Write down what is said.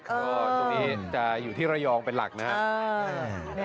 ตรงนี้จะอยู่ที่ระยองเป็นหลักนะฮะ